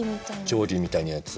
定規みたいなやつ。